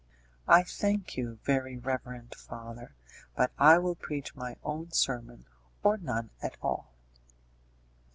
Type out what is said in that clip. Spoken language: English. "I thank you, very reverend father, but I will preach my own sermon, or none at all."